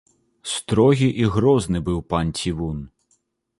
Строгі і грозны быў пан цівун.